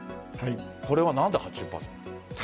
これは何で８０％？